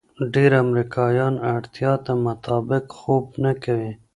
ډېر امریکایان اړتیا ته مطابق خوب نه کوي.